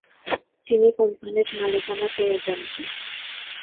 তিনি কোম্পানির মালিকানা পেয়ে যান।